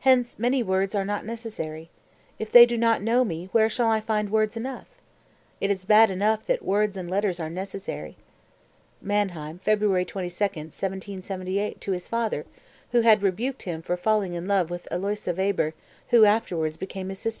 Hence many words are not necessary. If they do not know me where shall I find words enough? It is bad enough that words and letters are necessary." (Mannheim, February 22, 1778, to his father, who had rebuked him for falling in love with Aloysia Weber, who afterward became his sister in law.)